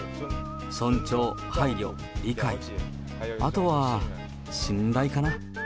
尊重、配慮、理解、あとは信頼かな。